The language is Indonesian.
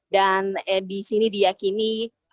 dan disini diakini